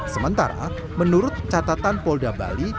sementara menurut catatan polda bali